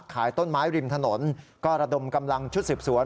ขายต้นไม้ริมถนนก็ระดมกำลังชุดสืบสวน